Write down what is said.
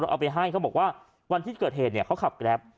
เอาไปให้เขาบอกว่าวันที่เกิดเหตุเนี่ยเขาขับแกรป